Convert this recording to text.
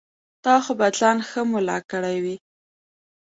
تا خو به ځان ښه ملا کړی وي.